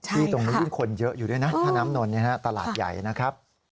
มีตรงนี้มีคนเยอะอยู่ด้วยนะท่าน้ำหนนนี่นะตลาดใหญ่นะครับ